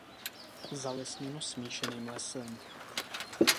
Zalesněno smíšeným lesem.